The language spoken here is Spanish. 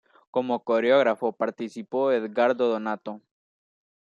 Como coreógrafo participó Edgardo Donato.